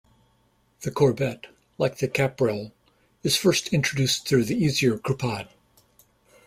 The courbette, like the capriole, is first introduced through the easier croupade.